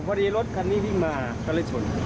พอดีรถคันนี้วิ่งมาก็เลยส่ง